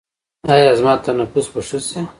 ایا زما تنفس به ښه شي؟